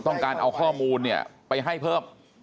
ต้องการเอาข้อมูลเนี่ยไปให้เพิ่ม